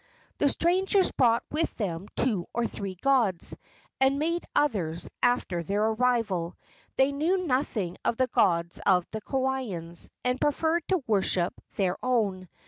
The strangers brought with them two or three gods, and made others after their arrival. They knew nothing of the gods of the Kauaians, and preferred to worship their own.